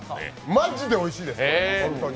マジでおいしいですこれ、本当に。